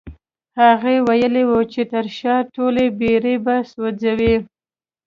هغه ويلي وو چې تر شا ټولې بېړۍ به سوځوي.